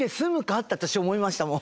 って私思いましたもん。